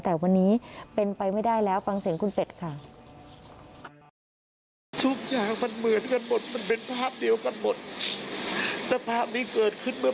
แต่วันนี้เป็นไปไม่ได้แล้วฟังเสียงคุณเป็ดค่ะ